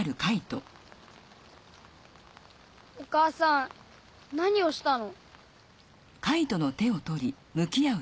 お母さん何をしたの？